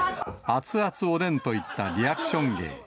熱々おでんといったリアクション芸。